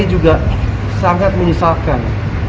saya juga sangat menyesalkan